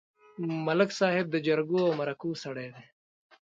ملک صاحب د جرګو او مرکو سړی دی.